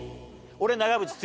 俺長渕剛。